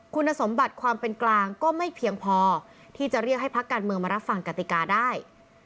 คุณสมบัติความเป็นกลางก็ไม่เพียงพอที่จะเรียกให้พักการเมืองมารับฟังกติกาได้